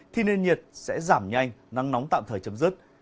thì nền nhiệt sẽ giảm nhanh nắng nóng tạm thời chấm dứt